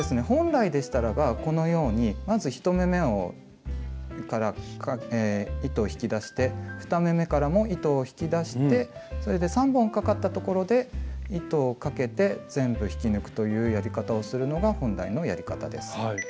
本来でしたらばこのようにまず１目めを糸を引き出して２目めからも糸を引き出してそれで３本かかったところで糸をかけて全部引き抜くというやり方をするのが本来のやり方です。